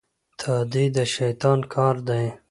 تادي د شيطان کار دی.